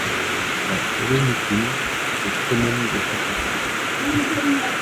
La Sérénissime est au summum de sa puissance.